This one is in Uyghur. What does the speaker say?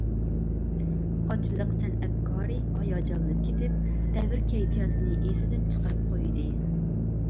ئاچلىق سەنئەتكارى ھاياجانلىنىپ كېتىپ، دەۋر كەيپىياتىنى ئېسىدىن چىقىرىپ قويدى.